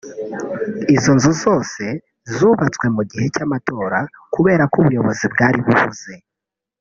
Izo nzu zose zubatswe mu gihe cy’amatora kubera ko ubuyobozi bwari buhuze